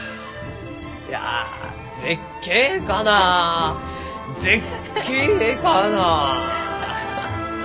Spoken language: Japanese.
いや「絶景かな絶景かな」。